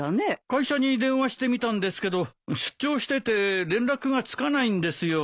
会社に電話してみたんですけど出張してて連絡がつかないんですよ。